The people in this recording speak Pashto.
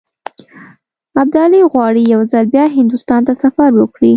ابدالي غواړي یو ځل بیا هندوستان ته سفر وکړي.